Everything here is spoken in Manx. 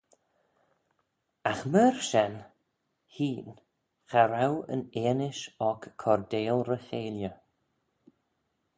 Agh myr shen hene cha row yn eanish oc coardail ry-cheilley.